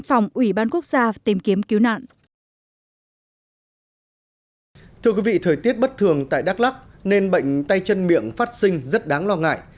thưa quý vị thời tiết bất thường tại đắk lắc nên bệnh tay chân miệng phát sinh rất đáng lo ngại